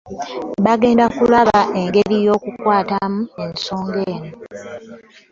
Bagenda kulaba engeri y'okukwatamu ensonga eno